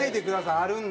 あるんだ。